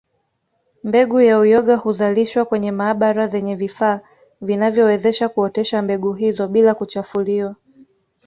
Mbegu za uyoga huzalishwa kwenye maabara zenye vifaa vinavyowezesha kuotesha mbegu hizo bila kuchafuliwa